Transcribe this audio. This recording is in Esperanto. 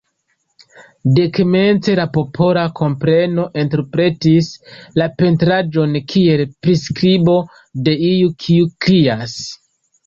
Dekomence la popola kompreno interpretis la pentraĵon kiel priskribo de iu kiu krias.